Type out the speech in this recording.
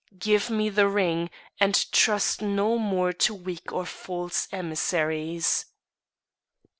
Give me the ring, and trust no more to weak or false emissaries."